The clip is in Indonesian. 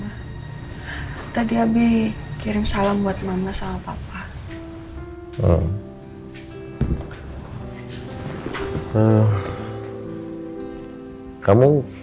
assalamualaikum warahmatullahi wabarakatuh